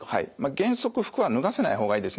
原則服は脱がせない方がいいですね。